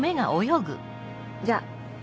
じゃあ。